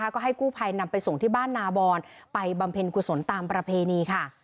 ก็ให้กู้ภัยนำไปส่งที่บ้านนาบอนไปบำเพ็ญกุศลตามประเพณีค่ะ